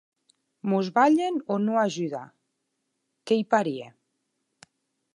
Mos balhen o non ajuda, qu’ei parièr!